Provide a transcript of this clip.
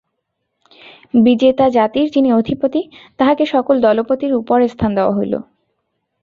বিজেতা জাতির যিনি অধিপতি, তাঁহাকে সকল দলপতির উপরে স্থান দেওয়া হইল।